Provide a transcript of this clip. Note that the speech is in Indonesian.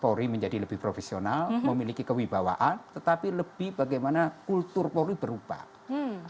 polri menjadi lebih profesional memiliki kewibawaan tetapi lebih bagaimana kultur polri berubah